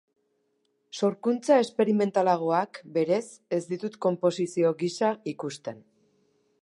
Sorkuntza esperimentalagoak, berez, ez ditut konposizio gisa ikusten.